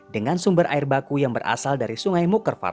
dengan sumber air baku yang berasal dari sungai mukervar